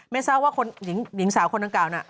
ไม่เศร้าว่าหญิงสาวคนนั้นกล่าวน่ะ